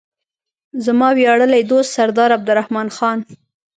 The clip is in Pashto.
زما ویاړلی دوست سردار عبدالرحمن خان.